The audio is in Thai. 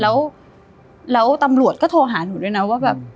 แล้วตำรวจก็โทรหาหนูด้วยนะว่าแบบ